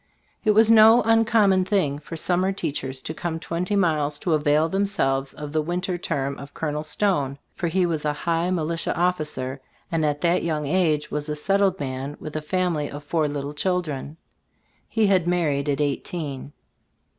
It was no uncommon thing for summer teachers to come twenty miles to avail themselves of the winter term of "Col." Stone, for he was a high mili tia officer, and at that young age was a settled man with a family of four little children. He had married at eighteen.